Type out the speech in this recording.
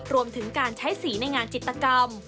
รวมถึงการใช้สีในงานจิตกรรม